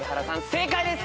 正解です。